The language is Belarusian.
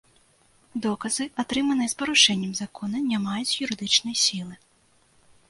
Доказы, атрыманыя з парушэннем закона, не маюць юрыдычнай сілы.